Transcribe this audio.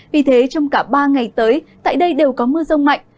vì thế trong cả ba ngày tới tại đây đều có mưa rông mạnh